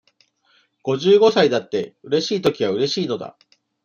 五十五歳だって、うれしいときはうれしいのだ。